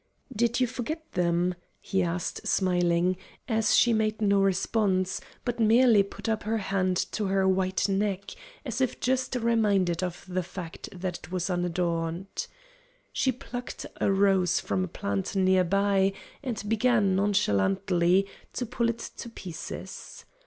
"Did you forget them?" he asked smiling, as she made no response, but merely put up her hand to her white neck, as if just reminded of the fact that it was unadorned. She plucked a rose from a plant near by, and began, nonchalantly, to pull it to pieces.